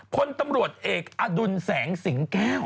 พลตำรวจเอกอดุลแสงสิงแก้ว